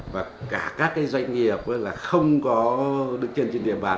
và cả các doanh nghiệp là không có đứng trên địa bàn